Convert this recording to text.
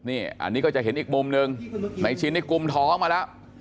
อันนี้ก็จะเห็นอีกมุมนึงในกลุ่มท้อมาแล้ว